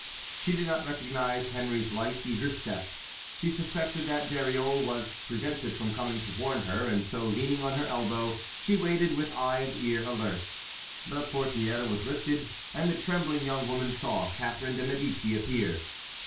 She did not recognize Henry's light, eager step; she suspected that Dariole was prevented from coming to warn her, and so leaning on her elbow she waited with eye and ear alert. The portière was lifted and the trembling young woman saw Catharine de Médicis appear.